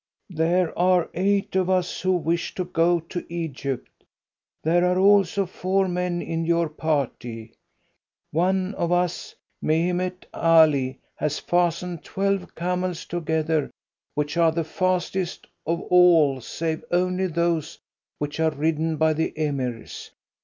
"There are eight of us who wish to go to Egypt. There are also four men in your party. One of us, Mehemet Ali, has fastened twelve camels together, which are the fastest of all save only those which are ridden by the Emirs.